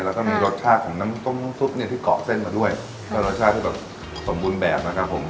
แล้วก็มีรสชาติของน้ำต้มน้ำซุปเนี่ยที่เกาะเส้นมาด้วยก็รสชาติที่แบบสมบูรณ์แบบนะครับผม